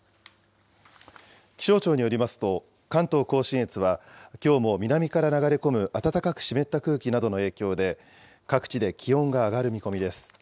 気象庁によりますと、関東甲信越は、きょうも南から流れ込む暖かく湿った空気などの影響で、各地で気温が上がる見込みです。